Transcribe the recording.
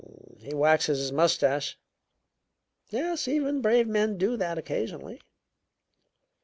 "He waxes his mustache." "Yes, even brave men do that occasionally."